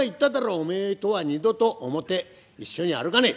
『お前とは二度と表一緒に歩かねえ。